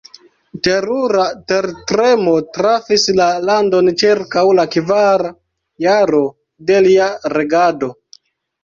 Terura tertremo trafis la landon ĉirkaŭ la kvara jaro de lia regado.